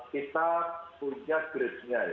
kita punya kredenya ya